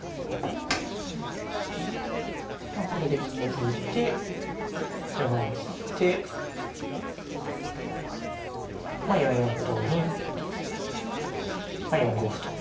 これで銀を引いて馬を引いて４四歩同銀４五歩と。